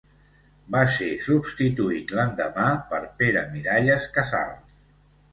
Va ser substituït l'endemà per Pere Miralles Casals.